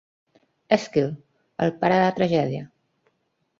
Èsquil, el pare de la tragèdia.